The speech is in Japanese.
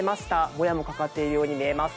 もやもかかっているように見えます。